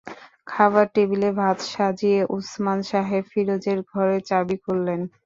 খাবার টেবিলে ভাত সাজিয়ে ওসমান সাহেব ফিরোজের ঘরের চাবি খুললেন।